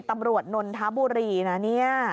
ตำรวจนนทบุรีนะเนี่ย